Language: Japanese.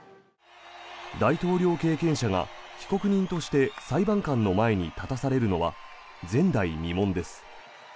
大統領経験者が被告人として裁判官の前に立たされるのは前代未聞です。